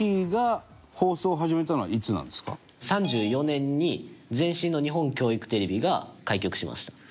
３４年に前身の日本教育テレビが開局しました。